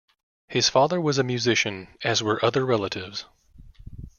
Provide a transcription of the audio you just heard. His father was a musician, as were other relatives.